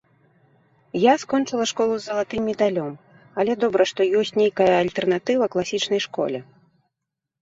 Я скончыла школу з залатым медалём, але добра, што ёсць нейкая альтэрнатыва класічнай школе.